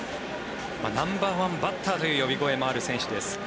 ナンバーワンバッターという呼び声もあるバッターです。